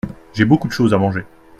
J’ai beaucoup de choses à manger.